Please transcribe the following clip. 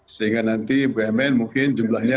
sehingga nanti bumn mungkin jumlahnya